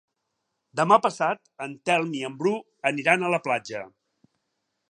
Demà passat en Telm i en Bru aniran a la platja.